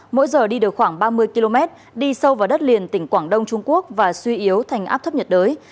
mỗi giờ đi được khoảng ba mươi km đi sâu vào đất liền tỉnh quảng đông trung quốc và suy yếu thành áp thấp nhiệt đới